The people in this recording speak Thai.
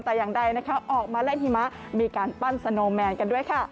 แต่อย่างใดนะคะออกมาเล่นหิมะมีการปั้นสโนแมนกันด้วยค่ะ